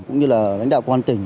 cũng như là lãnh đạo công an tỉnh